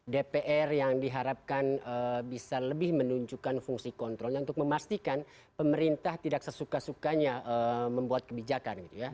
dpr yang diharapkan bisa lebih menunjukkan fungsi kontrolnya untuk memastikan pemerintah tidak sesuka sukanya membuat kebijakan gitu ya